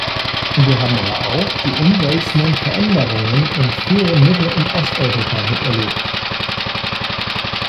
Wir haben aber auch die umwälzenden Veränderungen im früheren Mittel- und Osteuropa miterlebt.